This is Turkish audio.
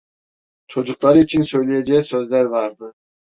Çocukları için söyleyeceği sözler vardı.